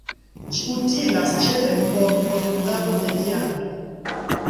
Ĝi utilas ĉefe por produktado de viando.